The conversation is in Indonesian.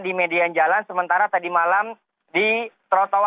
di median jalan sementara tadi malam di trotoar